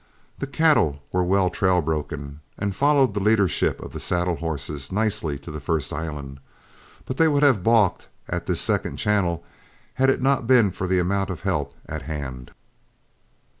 The cattle were well trail broken, and followed the leadership of the saddle horses nicely to the first island, but they would have balked at this second channel, had it not been for the amount of help at hand.